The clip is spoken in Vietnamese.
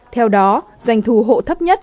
theo đó doanh thu hộ thấp nhất